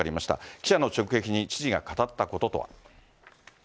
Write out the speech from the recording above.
記者の直撃に知事が語ったこととは。